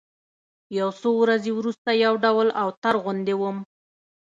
يو څو ورځې وروسته يو ډول اوتر غوندې وم.